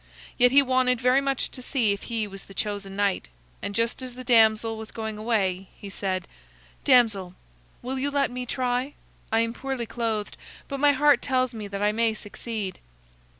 Yet he wanted very much to see if he was the chosen knight, and just as the damsel was going away, he said: "Damsel, will you let me try? I am poorly clothed, but my heart tells me that I may succeed."